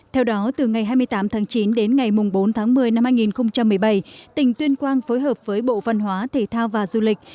theo đó từ ngày hai mươi tám tháng chín đến ngày bốn tháng một mươi năm hai nghìn một mươi bảy tỉnh tuyên quang phối hợp với bộ văn hóa thể thao và du lịch